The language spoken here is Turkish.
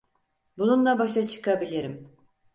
Bununla başa çıkabilirim.